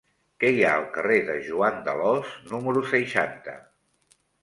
Què hi ha al carrer de Joan d'Alòs número seixanta?